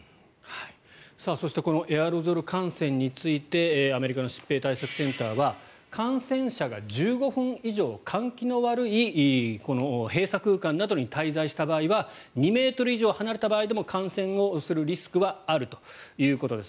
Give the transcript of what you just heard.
そしてエアロゾル感染についてアメリカの疾病対策センターは感染者が１５分以上換気の悪い閉鎖空間などに滞在した場合は２ｍ以上離れた場合でも感染するリスクはあるということです。